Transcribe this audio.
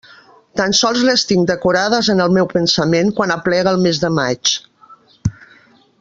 Tan sols les tinc decorades en el meu pensament quan aplega el mes de maig.